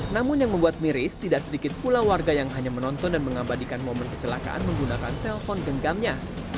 namun yang membuat miris tidak sedikit pula warga yang hanya menonton dan mengabadikan momen kecelakaan menggunakan telpon genggamnya